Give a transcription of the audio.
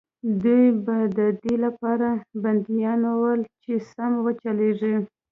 دوی به د دې لپاره بندیانول چې سم وچلېږي.